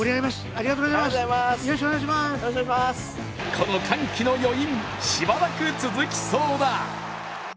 この歓喜の余韻、しばらく続きそうだ。